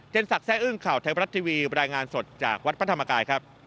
สักแซ่อึ้งข่าวไทยบรัฐทีวีรายงานสดจากวัดพระธรรมกายครับ